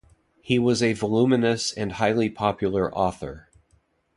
He was a voluminous and highly popular author.